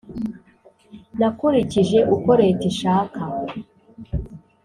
Nakurikije uko Leta ishaka !